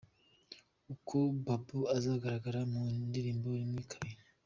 Uko Babou azagaragara mu ndirimbo Rimwe Kabiri.